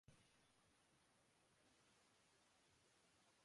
آپ کیا پیو گے